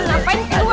masuk lagi masuk